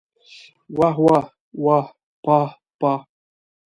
واه واه واه پاه پاه!